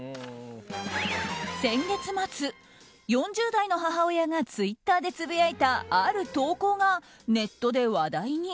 先月末、４０代の母親がツイッターでつぶやいたある投稿がネットで話題に。